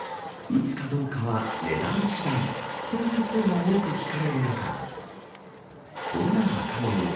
打つかどうかは値段しだいという声が多く聞かれる中、こんな若者も。